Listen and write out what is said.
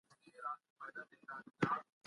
ساعت باید په منظمه توګه کار وکړي.